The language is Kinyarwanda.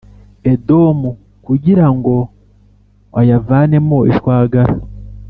Edomu kugira ngo ayavanemo ishwagara